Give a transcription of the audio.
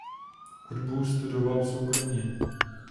Hudbu studoval soukromě.